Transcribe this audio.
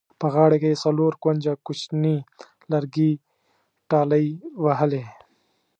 په غاړه کې یې څلور کونجه کوچیني لرګي ټالۍ وهلې.